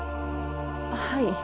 はい。